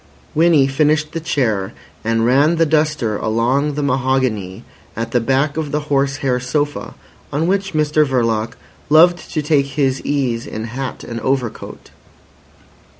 Winnie finished the chair, and ran the duster along the mahogany at the back of the horse hair sofa on which Mr Verloc loved to take his ease in hat and overcoat.